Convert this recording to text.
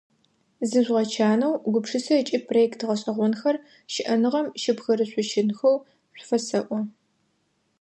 Зыжъугъэчанэу, гупшысэ ыкӏи проект гъэшӏэгъонхэр щыӏэныгъэм щыпхырышъущынхэу шъуфэсэӏо.